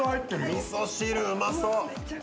みそ汁うまそう！